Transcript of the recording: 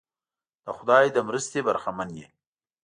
د خدای له مرستې برخمن وي.